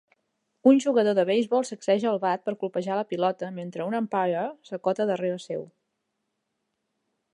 Un jugador de beisbol sacseja el bat per colpejar la pilota mentre un umpire s'acota darrere seu.